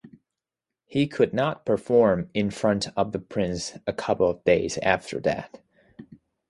He could not perform in front of the Prince a couple of days after that.